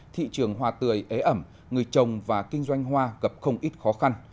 thị trường hoa tươi ế ẩm người chồng và kinh doanh hoa gặp không ít khó khăn